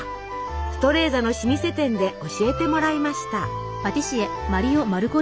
ストレーザの老舗店で教えてもらいました。